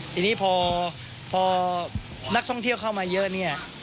ทีนี้พอนักท่องเที่ยวเข้ามาเยอะเนี่ย